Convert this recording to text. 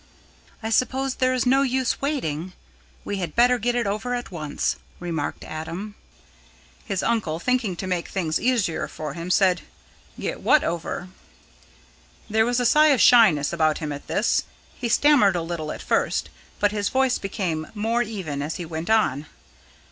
"I suppose there is no use waiting. We had better get it over at once," remarked Adam. His uncle, thinking to make things easier for him, said: "Get what over?" There was a sign of shyness about him at this. He stammered a little at first, but his voice became more even as he went on.